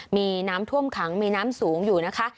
มีน้ำท่วมขังมีน้ำสูงอยู่นะคะ